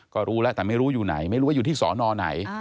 ก็รู้แล้วแต่ไม่รู้อยู่ไหนไม่รู้ว่าอยู่ที่สอนอไหน